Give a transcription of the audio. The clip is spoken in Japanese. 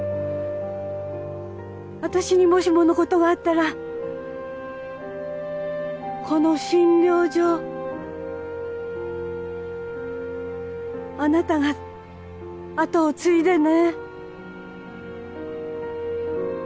私にもしもの事があったらこの診療所あなたが後を継いでね。